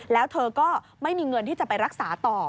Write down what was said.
แล้วเธอก็ไม่มีเงินที่จะไปรักษาต่อ